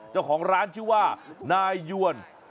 เจ้าของร้านชื่อว่านายยวน